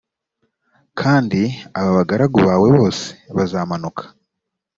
kandi aba bagaragu bawe bose bazamanuka